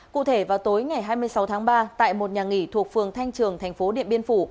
cụ thể vào tối ngày hai mươi sáu tháng ba tại một nhà nghỉ thuộc phường thanh trường thành phố điện biên phủ